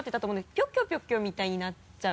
「ぴょきょぴょきょ」みたいになっちゃう。